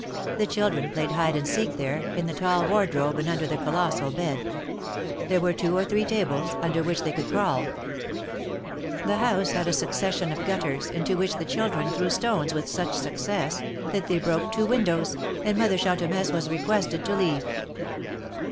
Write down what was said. The children played hide and seek there, in the tall wardrobe and under the colossal bed. There were two or three tables, under which they could crawl. The house had a succession of gutters, into which the children threw stones with such success, that they broke two windows, and Mother Chantemesse was requested to leave.